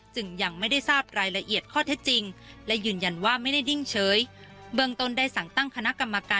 จึงดังกล่าวในวันนั้นยืนยันว่าไม่ได้ยัดเยียดให้ทางครูส้มเซ็นสัญญา